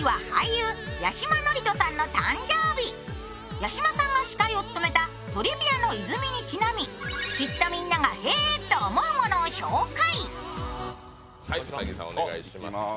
八嶋さんが司会を務めた「トリビアの泉」にちなみ「きっとみんながへぇと思うもの」を紹介。